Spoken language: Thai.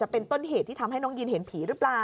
เป็นต้นเหตุที่ทำให้น้องยีนเห็นผีหรือเปล่า